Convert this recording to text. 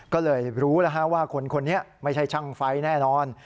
ก็เลยรู้แล้วว่าคนนี้ไม่ใช่ช่างไฟแน่นอน